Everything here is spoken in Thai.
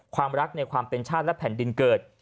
ความรักในความเป็นชาติและแผ่นดินเกิด